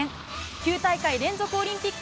９大会連続オリンピック